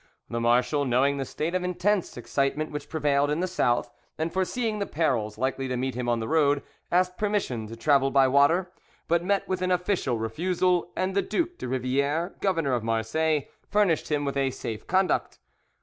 The marshal, knowing the state of intense excitement which prevailed in the South, and foreseeing the perils likely to meet him on the road, asked permission to travel by water, but met with an official refusal, and the Duc de Riviere, governor of Marseilles, furnished him with a safe conduct.